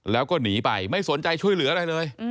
แล้วก็หนีไปไม่สนใจช่วยเหลืออะไรเลย